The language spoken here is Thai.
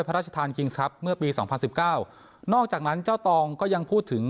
พระราชทานคิงส์ครับเมื่อปีสองพันสิบเก้านอกจากนั้นเจ้าตองก็ยังพูดถึง